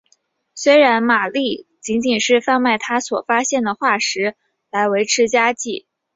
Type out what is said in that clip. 虽然玛丽仅仅是贩卖她所发现的化石来维持家计。